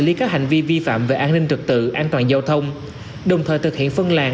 lý các hành vi vi phạm về an ninh trực tự an toàn giao thông đồng thời thực hiện phân làng